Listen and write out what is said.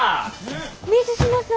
水島さん。